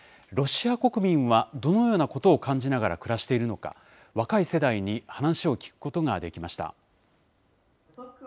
ロシア国民はどのようなことを感じながら暮らしているのか、若い世代に話を聞くことができました。